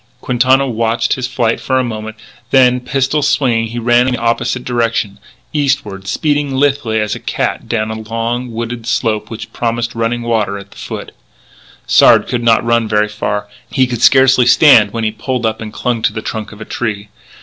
Quintana watched his flight for a moment, then, pistol swinging, he ran in the opposite direction, eastward, speeding lithely as a cat down a long, wooded slope which promised running water at the foot. Sard could not run very far. He could scarcely stand when he pulled up and clung to the trunk of a tree.